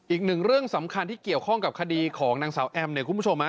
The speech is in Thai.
อีกหนึ่งเรื่องสำคัญที่เกี่ยวข้องกับคดีของนางสาวแอมเนี่ยคุณผู้ชมฮะ